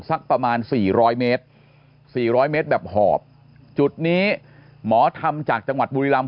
สักประมาณ๔๐๐เมตร๔๐๐เมตรแบบหอบจุดนี้หมอทำจากจังหวัดบุรีรำ